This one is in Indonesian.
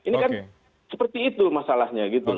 ini kan seperti itu masalahnya gitu